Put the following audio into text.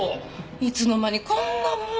いつの間にこんなもの。